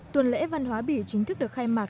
tuần lễ văn hóa bỉ chính thức được khai mạc